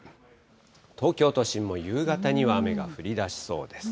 東京都心も夕方には雨が降りだしそうです。